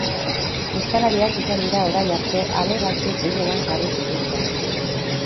Ostalariak izan dira orain arte alegazio gehienak jarri dituztenak.